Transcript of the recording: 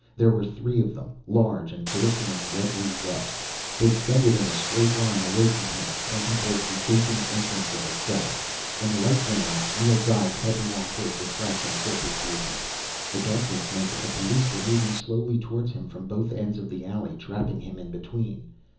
There were three of them, large and glistening redly wet. They extended in a straight line away from him, pointing towards the gaping entrance of a cellar. When the lights went out, Neel dived headlong towards the cracked and filthy pavement. The darkness meant that the police were moving slowly towards him from both ends of the alley, trapping him in between.